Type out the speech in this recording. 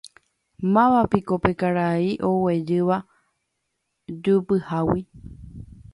Mávapiko pe karai oguejýva jupihágui.